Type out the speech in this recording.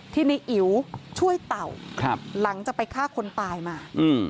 ที่ในอิ๋วช่วยเต่าหลังจะไปฆ่าคนตายมา